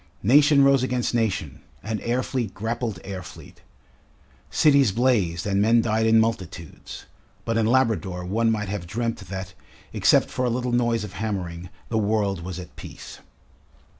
Nation rose against nation and air fleet grappled air fleet, cities blazed and men died in multitudes; but in Labrador one might have dreamt that, except for a little noise of hammering, the world was at peace.